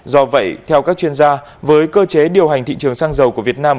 do vậy theo các chuyên gia với cơ chế điều hành thị trường sang giàu của việt nam